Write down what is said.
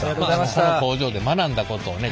この工場で学んだことをね